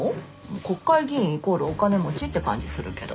国会議員イコールお金持ちって感じするけど。